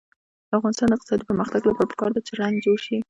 د افغانستان د اقتصادي پرمختګ لپاره پکار ده چې رنګ جوړ شي.